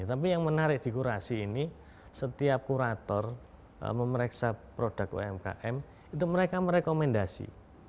tapi yang menarik di kurasi ini setiap kurator memeriksa produk umkm itu mereka merekomendasi